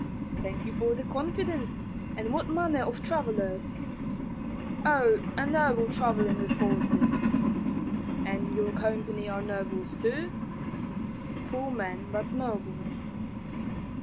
"Thank you for the confidence. And what manner of travellers?" "Oh, a noble travelling with horses." "And your company are nobles too?" "Poor men, but nobles."